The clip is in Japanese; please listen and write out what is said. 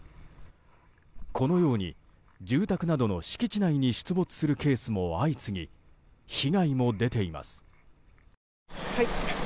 このように住宅などの敷地内に出没するケースも相次ぎ被害も出ています。